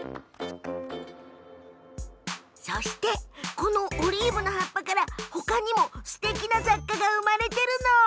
このオリーブの葉っぱからほかにもすてきな雑貨が生まれているのよ。